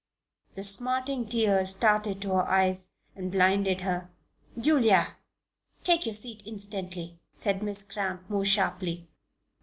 The smarting tears started to her eyes, and blinded her. "Julia! take your seat instantly!" said Miss Cramp, more sharply.